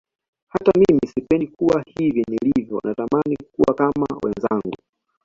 Hata mimi sipendi kuwa hivi nilivyo natamani kuwa kama wenzangu